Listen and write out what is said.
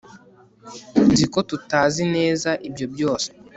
Nzi ko tutazi neza ibyo byose